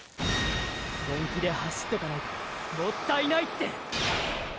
本気で走っとかないともったいないって！